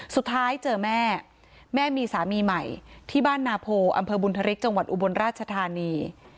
สุดท้ายเจอแม่แม่มีสามีใหม่ที่บ้านนาโพอำเภอบุญธริกจังหวัดอุบลราชธานี